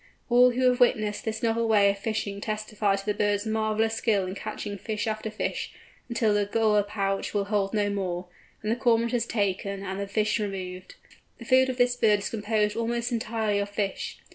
All who have witnessed this novel way of fishing testify to the bird's marvellous skill in catching fish after fish, until the gular pouch will hold no more, when the Cormorant is taken, and the fish removed. The food of this bird is composed almost entirely of fish.